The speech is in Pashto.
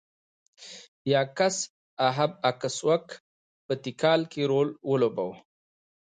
یاکس اهب اکسوک په تیکال کې رول ولوباوه.